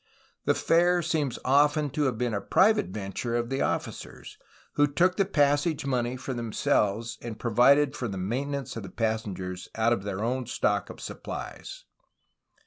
The fare seems often to have been a private venture of the offi cers, who took the passage money for themselves and pro vided for the maintenance of the passenger out of their own stock of supplies.